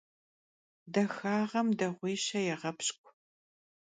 Daxağem dağuişe yêğepşk'u.